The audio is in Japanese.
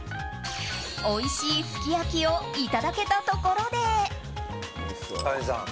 おいしいすき焼きをいただけたところで。